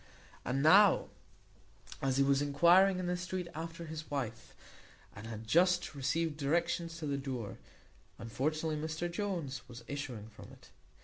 And now, as he was enquiring in the street after his wife, and had just received directions to the door, unfortunately Mr Jones was issuing from it.